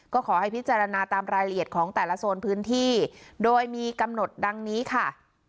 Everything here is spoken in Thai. ก็ขอให้พิจารณาตามรายละเอียดของแต่ละโซนพื้นที่โดยมีกำหนดดังนี้ค่ะ